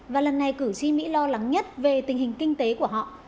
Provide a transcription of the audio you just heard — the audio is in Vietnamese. và lần này cử tri mỹ lo lắng nhất về tình hình kinh tế của họ